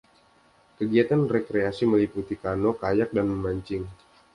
Kegiatan rekreasi meliputi kano, kayak, dan memancing.